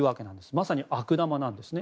まさに悪玉なんですね。